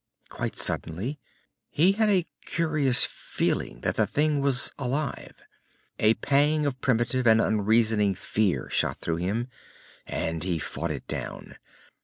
Quite suddenly, he had a curious feeling that the thing was alive. A pang of primitive and unreasoning fear shot through him, and he fought it down.